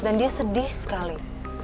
dan dia sedih sekali